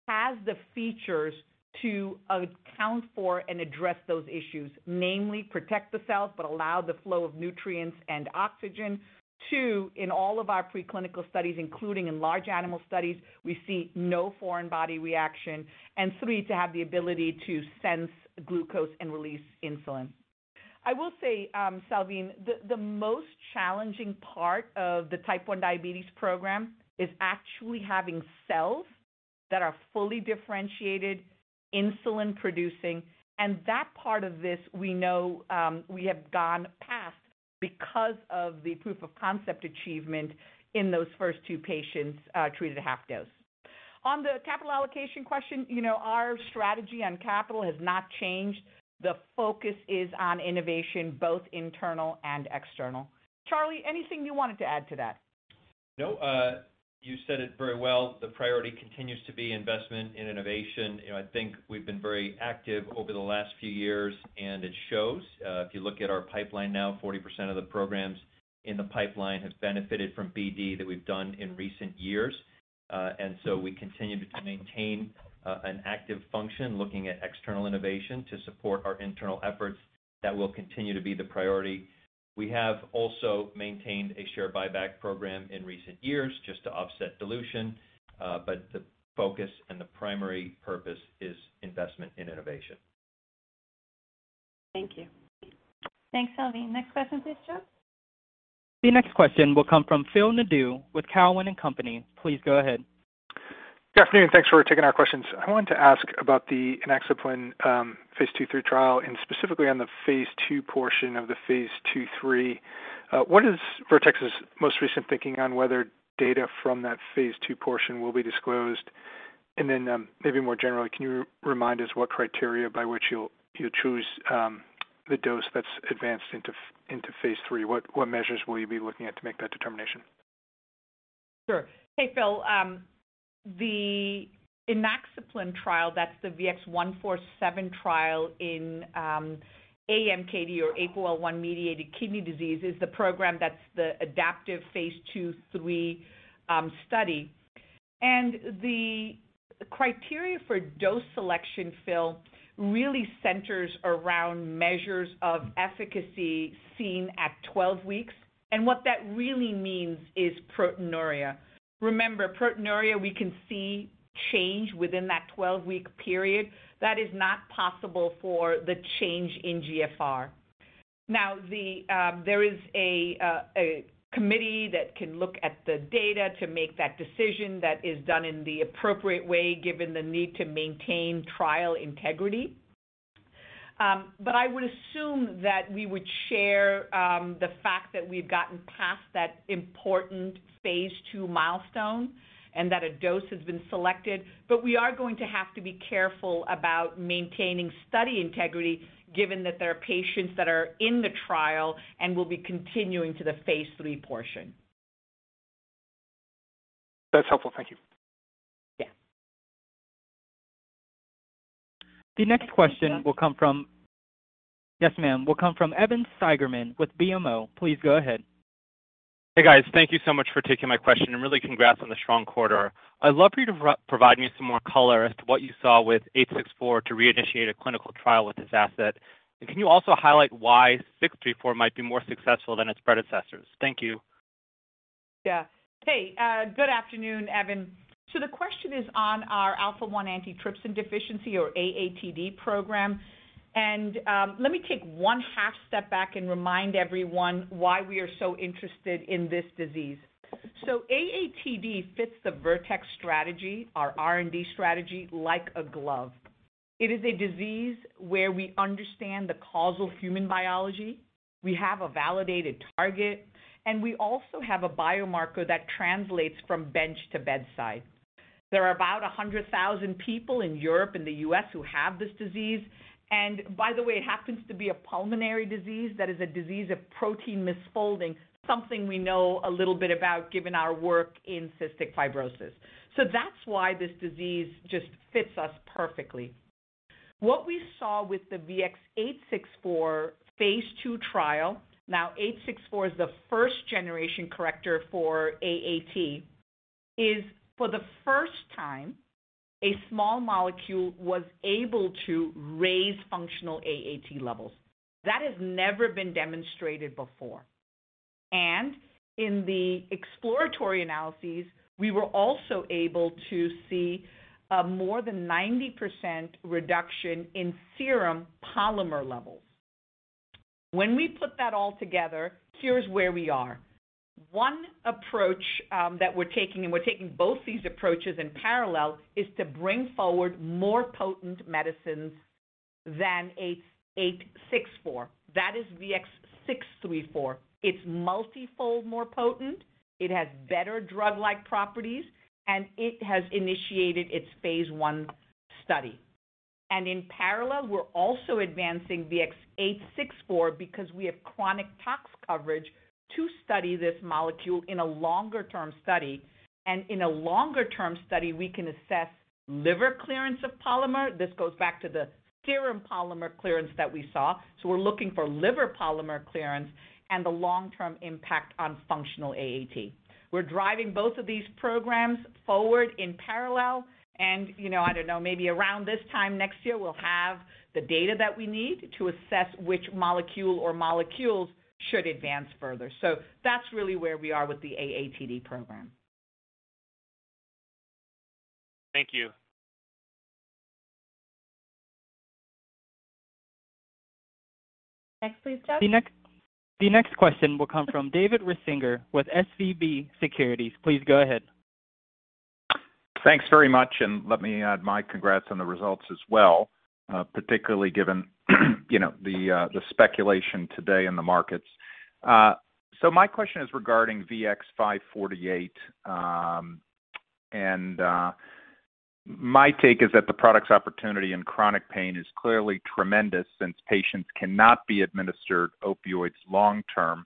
B: has the features to account for and address those issues. Namely, protect the cells but allow the flow of nutrients and oxygen. Two, in all of our preclinical studies, including in large animal studies, we see no foreign body reaction. Three, to have the ability to sense glucose and release insulin. I will say, Salveen, the most challenging part of the type 1 diabetes program is actually having cells that are fully differentiated, insulin-producing. That part of this we know, we have gone past because of the proof of concept achievement in those first two patients, treated at half dose. On the capital allocation question, you know, our strategy on capital has not changed. The focus is on innovation, both internal and external. Charlie, anything you wanted to add to that?
D: No, you said it very well. The priority continues to be investment in innovation. You know, I think we've been very active over the last few years, and it shows. If you look at our pipeline now, 40% of the programs in the pipeline have benefited from BD that we've done in recent years. We continue to maintain an active function looking at external innovation to support our internal efforts. That will continue to be the priority. We have also maintained a share buyback program in recent years just to offset dilution. The focus and the primary purpose is investment in innovation.
B: Thank you.
A: Thanks, Salveen. Next question, please, Operator.
E: The next question will come from Phil Nadeau with Cowen and Company. Please go ahead.
I: Good afternoon, and thanks for taking our questions. I wanted to ask about the inaxaplin Phase II and Phase III trial, and specifically on the Phase II portion of the Phase II and Phase III. What is Vertex's most recent thinking on whether data from that Phase II portion will be disclosed? Maybe more generally, can you remind us what criteria by which you'll choose the dose that's advanced into Phase III? What measures will you be looking at to make that determination?
B: Sure. Hey, Phil. The inaxaplin trial, that's the VX-147 trial in AMKD or APOL1-mediated kidney disease, is the program that's the adaptive Phase II and Phase III study. The criteria for dose selection, Phil, really centers around measures of efficacy seen at 12 weeks. What that really means is proteinuria. Remember, proteinuria, we can see change within that 12-week period. That is not possible for the change in GFR. Now, there is a committee that can look at the data to make that decision that is done in the appropriate way, given the need to maintain trial integrity. I would assume that we would share the fact that we've gotten past that important Phase II milestone and that a dose has been selected. We are going to have to be careful about maintaining study integrity, given that there are patients that are in the trial and will be continuing to the Phase III portion.
I: That's helpful. Thank you.
B: Yeah.
E: The next question will come from Yes, ma'am, Evan Seigerman with BMO. Please go ahead.
J: Hey, guys. Thank you so much for taking my question, and really congrats on the strong quarter. I'd love for you to provide me some more color as to what you saw with VX-864 to reinitiate a clinical trial with this asset. Can you also highlight why VX-634 might be more successful than its predecessors? Thank you.
B: Yeah. Hey, good afternoon, Evan. The question is on our alpha-1 antitrypsin deficiency or AATD program. Let me take H1 step back and remind everyone why we are so interested in this disease. AATD fits the Vertex strategy, our R&D strategy, like a glove. It is a disease where we understand the causal human biology. We have a validated target, and we also have a biomarker that translates from bench to bedside. There are about 100,000 people in Europe and the U.S. Who have this disease. By the way, it happens to be a pulmonary disease that is a disease of protein misfolding, something we know a little bit about given our work in cystic fibrosis. That's why this disease just fits us perfectly. What we saw with the VX-864 Phase II trial, now 864 is the first generation corrector for AAT, is for the first time, a small molecule was able to raise functional AAT levels. That has never been demonstrated before. In the exploratory analyses, we were also able to see a more than 90% reduction in serum polymer levels. When we put that all together, here's where we are. One approach, that we're taking, and we're taking both these approaches in parallel, is to bring forward more potent medicines than 864. That is VX-634. It's multifold more potent, it has better drug-like properties, and it has initiated its Phase I study. In parallel, we're also advancing VX-864 because we have chronic tox coverage to study this molecule in a longer term study. In a longer term study, we can assess liver clearance of polymer. This goes back to the serum polymer clearance that we saw. We're looking for liver polymer clearance and the long-term impact on functional AAT. We're driving both of these programs forward in parallel and, you know, I don't know, maybe around this time next year, we'll have the data that we need to assess which molecule or molecules should advance further. That's really where we are with the AATD program.
J: Thank you.
B: Next, please, Operator.
E: The next question will come from David Risinger with SVB Securities. Please go ahead.
K: Thanks very much, and let me add my congrats on the results as well, particularly given, you know, the speculation today in the markets. My question is regarding VX-548. My take is that the product's opportunity in chronic pain is clearly tremendous since patients cannot be administered opioids long-term.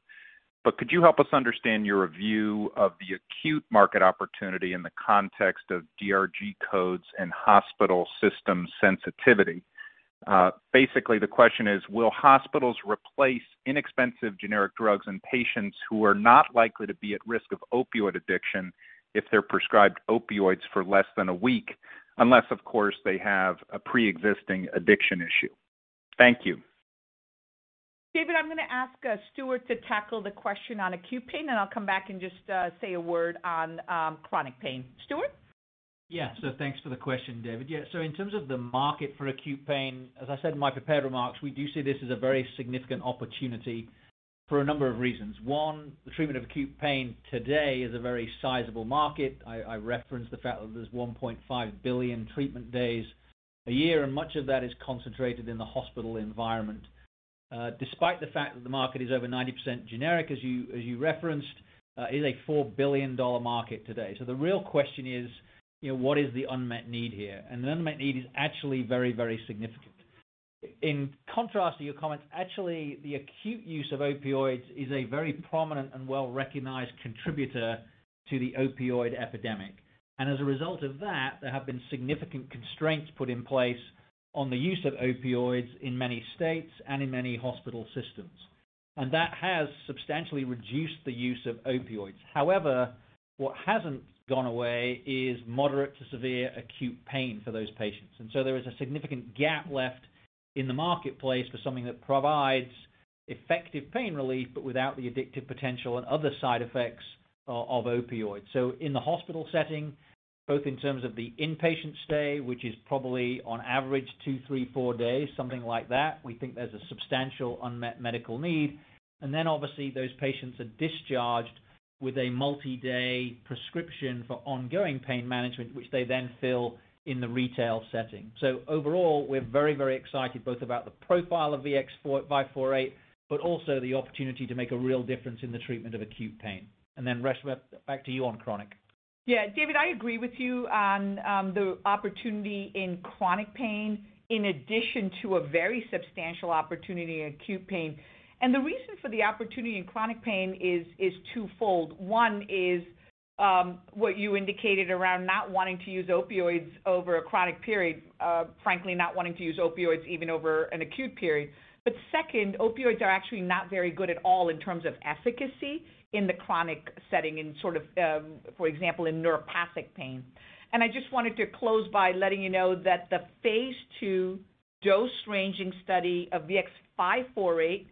K: Could you help us understand your view of the acute market opportunity in the context of DRG codes and hospital system sensitivity? Basically, the question is, will hospitals replace inexpensive generic drugs in patients who are not likely to be at risk of opioid addiction if they're prescribed opioids for less than a week, unless, of course, they have a preexisting addiction issue? Thank you.
B: David, I'm gonna ask Stuart to tackle the question on acute pain, and I'll come back and just say a word on chronic pain. Stuart?
C: Thanks for the question, David. Yeah. In terms of the market for acute pain, as I said in my prepared remarks, we do see this as a very significant opportunity for a number of reasons. One, the treatment of acute pain today is a very sizable market. I referenced the fact that there's 1.5 billion treatment days a year, and much of that is concentrated in the hospital environment. Despite the fact that the market is over 90% generic, as you referenced, it's a $4 billion market today. The real question is, you know, what is the unmet need here? The unmet need is actually very, very significant. In contrast to your comments, actually, the acute use of opioids is a very prominent and well-recognized contributor to the opioid epidemic. As a result of that, there have been significant constraints put in place on the use of opioids in many states and in many hospital systems. That has substantially reduced the use of opioids. However, what hasn't gone away is moderate to severe acute pain for those patients. There is a significant gap left in the marketplace for something that provides effective pain relief, but without the addictive potential and other side effects of opioids. In the hospital setting, both in terms of the inpatient stay, which is probably on average 2, 3, 4 days, something like that, we think there's a substantial unmet medical need. Obviously, those patients are discharged with a multi-day prescription for ongoing pain management, which they then fill in the retail setting. Overall, we're very, very excited both about the profile of VX-548, but also the opportunity to make a real difference in the treatment of acute pain. Reshma, back to you on chronic.
B: Yeah. David, I agree with you on the opportunity in chronic pain, in addition to a very substantial opportunity in acute pain. The reason for the opportunity in chronic pain is twofold. One is what you indicated around not wanting to use opioids over a chronic period, frankly, not wanting to use opioids even over an acute period. Second, opioids are actually not very good at all in terms of efficacy in the chronic setting, in sort of, for example, in neuropathic pain. I just wanted to close by letting you know that the Phase II dose-ranging study of VX-548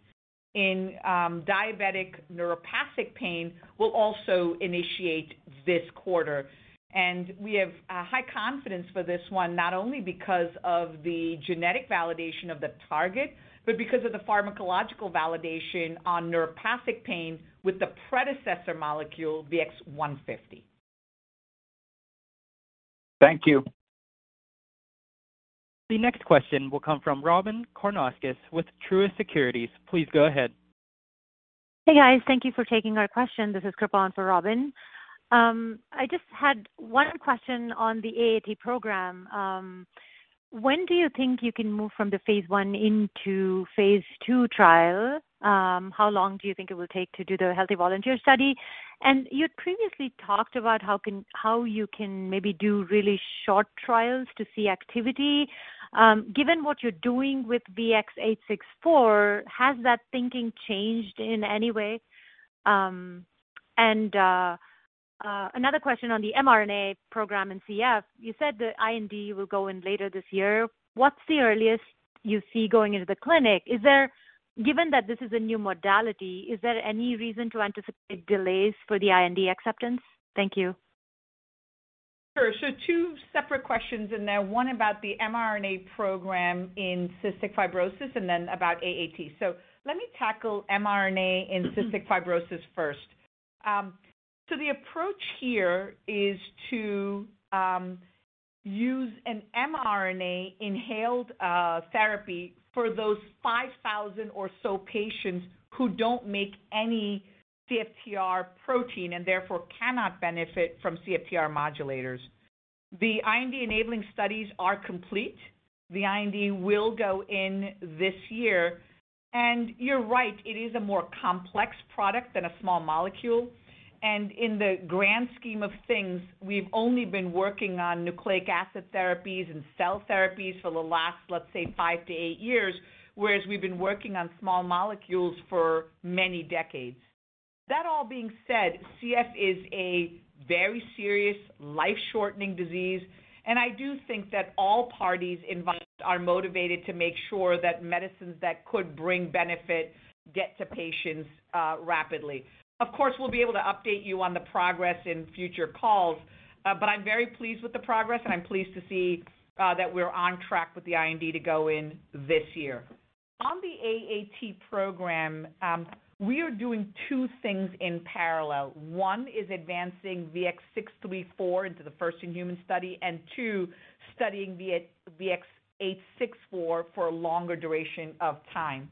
B: in diabetic neuropathic pain will also initiate this quarter. We have high confidence for this one, not only because of the genetic validation of the target, but because of the pharmacological validation on neuropathic pain with the predecessor molecule, VX-150.
K: Thank you.
E: The next question will come from Robyn Karnauskas with Truist Securities. Please go ahead.
L: Hey, guys. Thank you for taking our question. This is Krupa for Robyn. I just had one question on the AAT program. When do you think you can move from the Phase I into Phase II trial? How long do you think it will take to do the healthy volunteer study? You previously talked about how you can maybe do really short trials to see activity. Given what you're doing with VX-864, has that thinking changed in any way? Another question on the mRNA program in CF. You said the IND will go in later this year. What's the earliest you see going into the clinic? Given that this is a new modality, is there any reason to anticipate delays for the IND acceptance? Thank you.
B: Sure. Two separate questions in there, one about the mRNA program in cystic fibrosis and then about AAT. Let me tackle mRNA in cystic fibrosis first. The approach here is to use an mRNA inhaled therapy for those 5,000 or so patients who don't make any CFTR protein and therefore cannot benefit from CFTR modulators. The IND enabling studies are complete. The IND will go in this year. You're right, it is a more complex product than a small molecule. In the grand scheme of things, we've only been working on nucleic acid therapies and cell therapies for the last, let's say, five-eight years, whereas we've been working on small molecules for many decades. That all being said, CF is a very serious life-shortening disease, and I do think that all parties involved are motivated to make sure that medicines that could bring benefit get to patients rapidly. Of course, we'll be able to update you on the progress in future calls, but I'm very pleased with the progress, and I'm pleased to see that we're on track with the IND to go in this year. On the AAT program, we are doing two things in parallel. One is advancing VX-634 into the first human study, and two, studying VX-864 for a longer duration of time.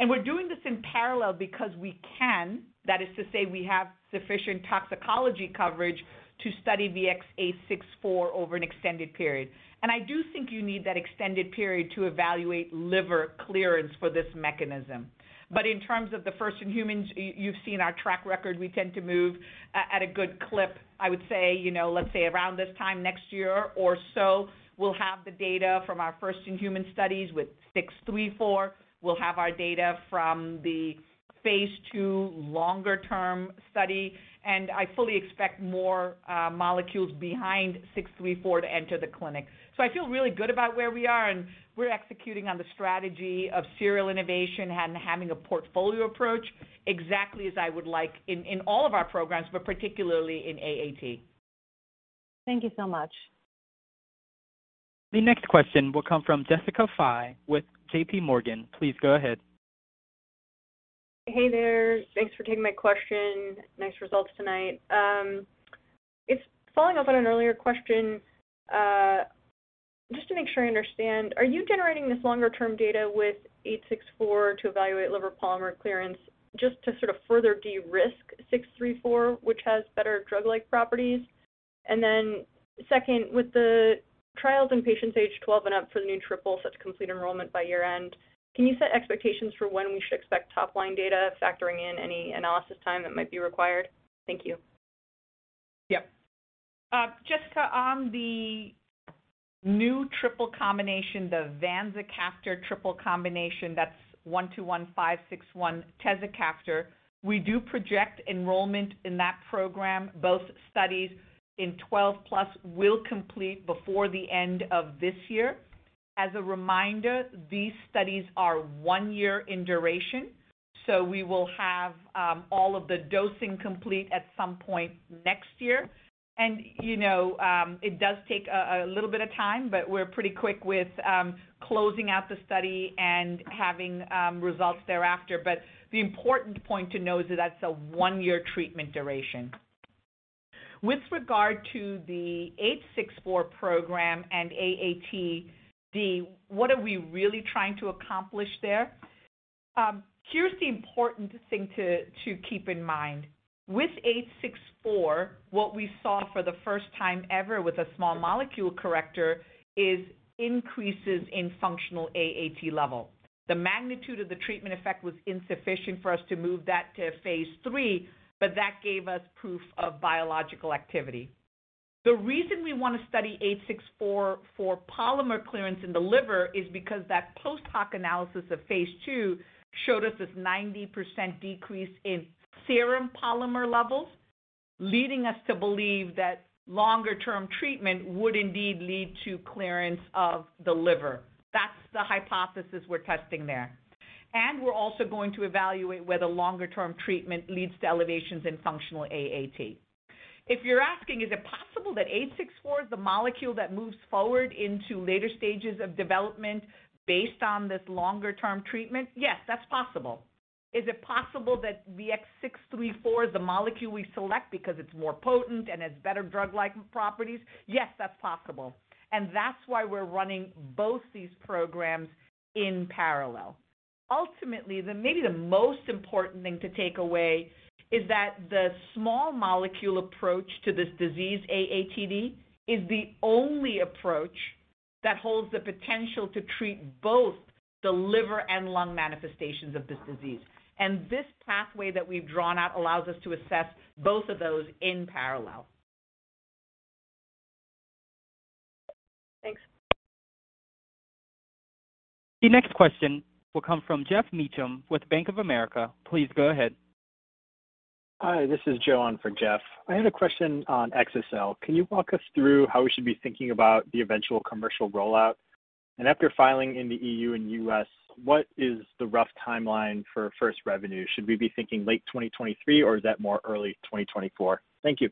B: We're doing this in parallel because we can. That is to say we have sufficient toxicology coverage to study VX-864 over an extended period. I do think you need that extended period to evaluate liver clearance for this mechanism. In terms of the first in humans, you've seen our track record. We tend to move at a good clip. I would say, let's say around this time next year or so, we'll have the data from our first in human studies with six three four. We'll have our data from the Phase II longer term study, and I fully expect more molecules behind six three four to enter the clinic. I feel really good about where we are, and we're executing on the strategy of serial innovation and having a portfolio approach exactly as I would like in all of our programs, but particularly in AAT.
A: Thank you so much.
E: The next question will come from Jessica Fye with J.P. Morgan. Please go ahead.
M: Hey there. Thanks for taking my question. Nice results tonight. It's following up on an earlier question. Just to make sure I understand, are you generating this longer-term data with VX-864 to evaluate liver polymer clearance just to sort of further de-risk VX-634, which has better drug-like properties? And then second, with the trials in patients age 12 and up for the new triple set to complete enrollment by year-end, can you set expectations for when we should expect top-line data factoring in any analysis time that might be required? Thank you.
B: Yeah. Jessica, on the new triple combination, the vanzacaftor triple combination, that's VX-121, VX-561, tezacaftor. We expect enrollment in that program. Both studies in 12+ will complete before the end of this year. As a reminder, these studies are one year in duration, so we will have all of the dosing complete at some point next year. You know, it does take a little bit of time, but we're pretty quick with closing out the study and having results thereafter. The important point to know is that that's a one-year treatment duration. With regard to the VX-864 program and AATD, what are we really trying to accomplish there? Here's the important thing to keep in mind. With VX-864, what we saw for the first time ever with a small molecule corrector is increases in functional AAT level. The magnitude of the treatment effect was insufficient for us to move that to Phase III, but that gave us proof of biological activity. The reason we wanna study VX-864 for polymer clearance in the liver is because that post hoc analysis of Phase II showed us this 90% decrease in serum polymer levels, leading us to believe that longer term treatment would indeed lead to clearance of the liver. That's the hypothesis we're testing there. We're also going to evaluate whether longer term treatment leads to elevations in functional AAT. If you're asking, "Is it possible that VX-864 is the molecule that moves forward into later stages of development based on this longer term treatment?" Yes, that's possible. Is it possible that VX-634 is the molecule we select because it's more potent and has better drug-like properties? Yes, that's possible, and that's why we're running both these programs in parallel. Ultimately, maybe the most important thing to take away is that the small molecule approach to this disease, AATD, is the only approach that holds the potential to treat both the liver and lung manifestations of this disease. This pathway that we've drawn out allows us to assess both of those in parallel.
M: Thanks.
E: The next question will come from Geoff Meacham with Bank of America. Please go ahead.
N: Hi, this is John for Jeff. I had a question on exa-cel. Can you walk us through how we should be thinking about the eventual commercial rollout? After filing in the EU and U.S., what is the rough timeline for first revenue? Should we be thinking late 2023, or is that more early 2024? Thank you.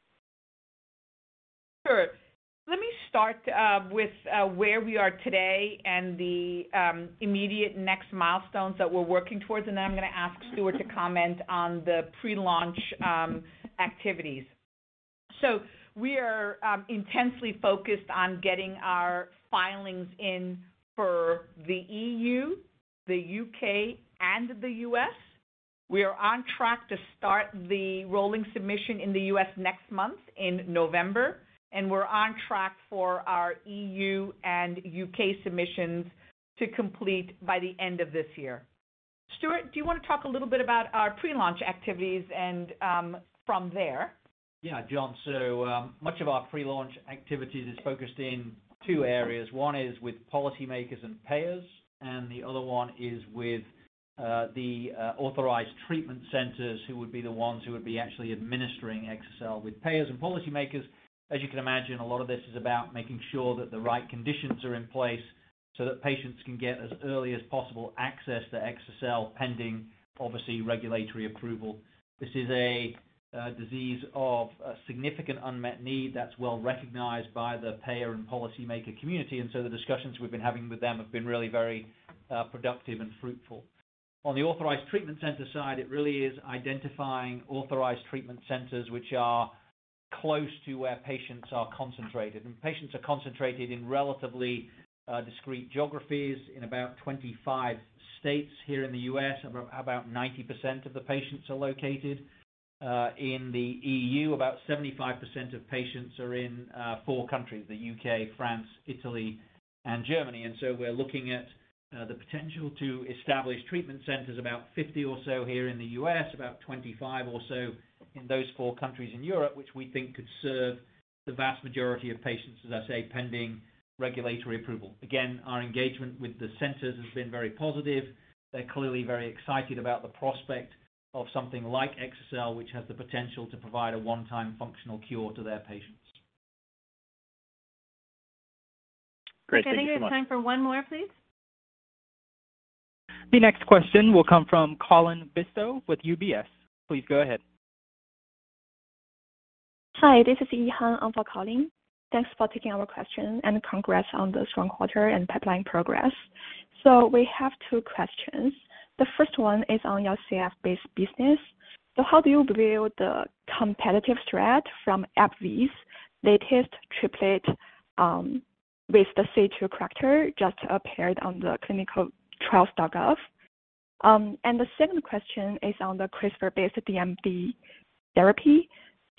B: Sure. Let me start with where we are today and the immediate next milestones that we're working towards, and then I'm gonna ask Stuart to comment on the pre-launch activities. We are intensely focused on getting our filings in for the E.U., the U.K., and the U.S. We are on track to start the rolling submission in the U.S. next month in November, and we're on track for our E.U. and U.K. submissions to complete by the end of this year. Stuart, do you wanna talk a little bit about our pre-launch activities and from there?
C: Yeah, John. Much of our pre-launch activities is focused in two areas. One is with policymakers and payers, and the other one is with the authorized treatment centers, who would be the ones who would be actually administering exa-cel. With payers and policymakers, as you can imagine, a lot of this is about making sure that the right conditions are in place so that patients can get as early as possible access to exa-cel pending, obviously, regulatory approval. This is a disease of a significant unmet need that's well-recognized by the payer and policymaker community, and the discussions we've been having with them have been really very productive and fruitful. On the authorized treatment center side, it really is identifying authorized treatment centers which are
B: Close to where patients are concentrated, and patients are concentrated in relatively discrete geographies. In about 25 states here in the U.S., about 90% of the patients are located. In the EU, about 75% of patients are in four countries, the U.K., France, Italy, and Germany. We're looking at the potential to establish treatment centers, about 50 or so here in the U.S., about 25 or so in those four countries in Europe, which we think could serve the vast majority of patients, as I say, pending regulatory approval. Again, our engagement with the centers has been very positive. They're clearly very excited about the prospect of something like exa-cel, which has the potential to provide a one-time functional cure to their patients.
A: Great. Thank you so much. Okay. I think we have time for one more, please.
E: The next question will come from Colin Bristow with UBS. Please go ahead.
O: Hi, this is Yihan. I'm for Colin. Thanks for taking our question, and congrats on the strong quarter and pipeline progress. We have two questions. The first one is on your CF-based business. How do you view the competitive threat from AbbVie's latest triplet with the C2 corrector just appeared on the ClinicalTrials.gov? And the second question is on the CRISPR-based DMD therapy.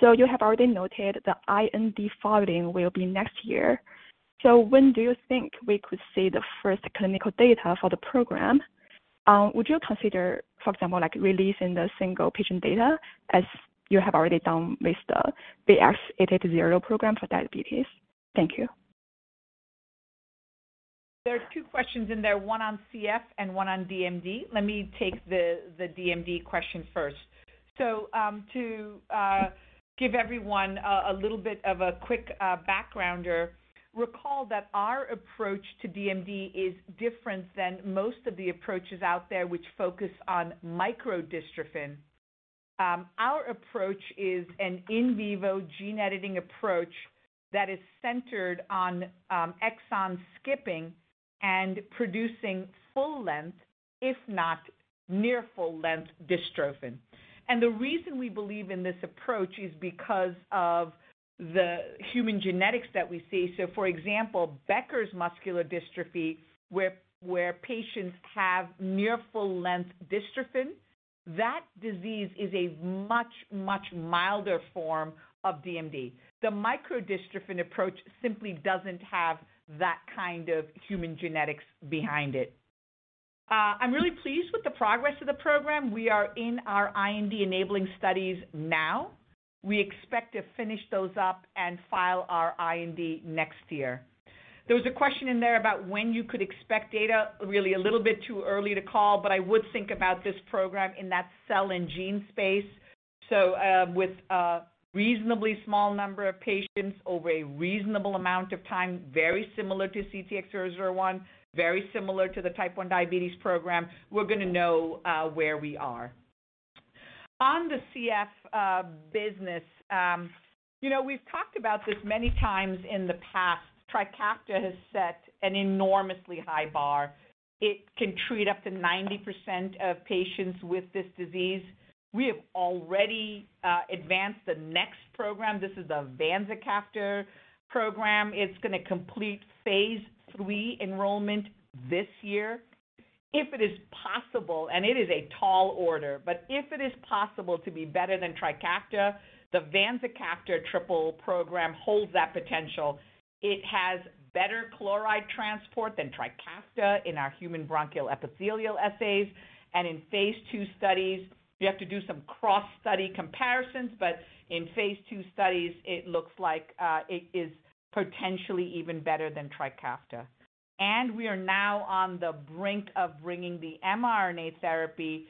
O: You have already noted the IND filing will be next year. When do you think we could see the first clinical data for the program? Would you consider, for example, like, releasing the single-patient data as you have already done with the VX-880 program for diabetes? Thank you.
B: There are two questions in there, one on CF and one on DMD. Let me take the DMD question first. To give everyone a little bit of a quick backgrounder, recall that our approach to DMD is different than most of the approaches out there which focus on microdystrophin. Our approach is an in vivo gene editing approach that is centered on exon skipping and producing full-length, if not near full-length dystrophin. The reason we believe in this approach is because of the human genetics that we see. For example, Becker's muscular dystrophy, where patients have near full-length dystrophin, that disease is a much milder form of DMD. The microdystrophin approach simply doesn't have that kind of human genetics behind it. I'm really pleased with the progress of the program. We are in our IND enabling studies now. We expect to finish those up and file our IND next year. There was a question in there about when you could expect data, really a little bit too early to call, but I would think about this program in that cell and gene space. With a reasonably small number of patients over a reasonable amount of time, very similar to CTX001, very similar to the type 1 diabetes program, we're gonna know where we are. On the CF business we've talked about this many times in the past. TRIKAFTA has set an enormously high bar. It can treat up to 90% of patients with this disease. We have already advanced the next program. This is the vanzacaftor program. It's gonna complete Phase III enrollment this year. If it is possible, and it is a tall order, but if it is possible to be better than TRIKAFTA, the vanzacaftor triple program holds that potential. It has better chloride transport than TRIKAFTA in our human bronchial epithelial assays. In Phase II studies, we have to do some cross study comparisons, but in Phase II studies it looks like it is potentially even better than TRIKAFTA. We are now on the brink of bringing the mRNA therapy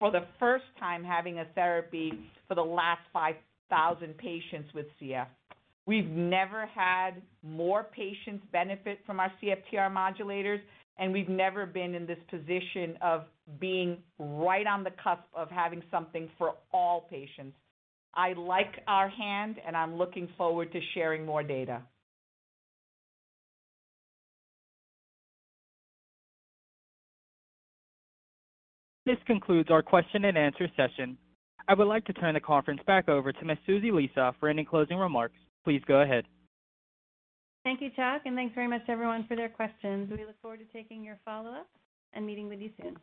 B: for the first time having a therapy for the last 5,000 patients with CF. We've never had more patients benefit from our CFTR modulators, and we've never been in this position of being right on the cusp of having something for all patients. I like our hand, and I'm looking forward to sharing more data.
E: This concludes our question and answer session. I would like to turn the conference back over to Ms. Susan Lisa for any closing remarks. Please go ahead.
A: Thank you, Charlie, and thanks very much to everyone for their questions. We look forward to taking your follow-up and meeting with you soon.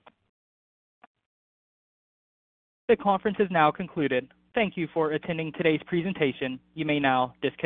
E: The conference has now concluded. Thank you for attending today's presentation. You may now disconnect.